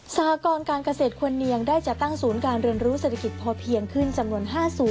หกรการเกษตรควรเนียงได้จัดตั้งศูนย์การเรียนรู้เศรษฐกิจพอเพียงขึ้นจำนวน๕๐